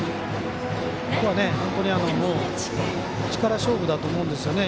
ここは本当に力勝負だと思うんですよね。